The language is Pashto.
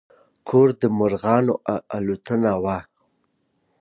ګور د مرغانو الوتنه وه.